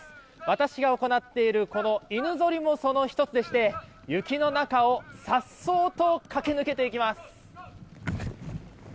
私が行っているこの犬ぞりもその１つでして雪の中をさっそうと駆け抜けていきます。